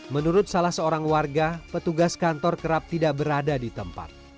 menurut salah seorang warga petugas kantor kerap tidak berada di tempat